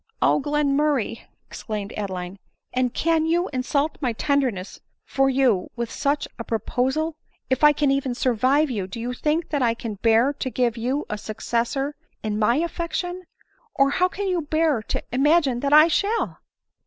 " O Glenmurray !" exclaimed Adeline, " and can you insult my tenderness for you with such a proposal ? If I can even survive you, do you think that I can bear to give you a successor in my affection ? or, how can you bear to imagine that I shall